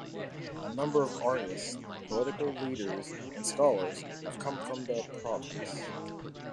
A number of artists, political leaders and scholars have come from the province.